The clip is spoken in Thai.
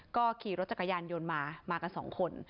ก็ขี่รถจักรยานยนต์มามากันสองคน